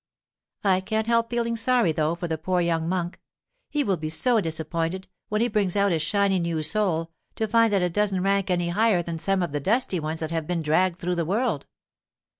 'I can't help feeling sorry, though, for the poor young monk; he will be so disappointed, when he brings out his shiny new soul, to find that it doesn't rank any higher than some of the dusty ones that have been dragged through the world.